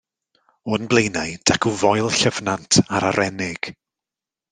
O'n blaenau dacw Foel Llyfnant a'r Arennig.